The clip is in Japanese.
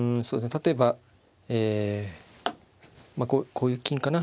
例えばえこういう金かな。